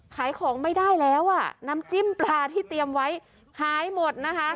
ขายของไม่ได้แล้วอ่ะน้ำจิ้มปลาที่เตรียมไว้หายหมดนะคะ